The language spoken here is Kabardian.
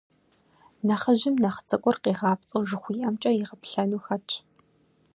Нэхъыжьым нэхъ цӏыкӏур, къигъапцӏэу, жыхуиӏэмкӏэ игъэплъэну хэтщ.